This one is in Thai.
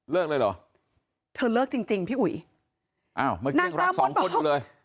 เลยเหรอเธอเลิกจริงจริงพี่อุ๋ยอ้าวเมื่อกี้ยังรักสองคนอยู่เลย